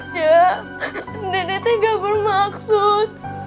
cak dedetnya gak bermaksud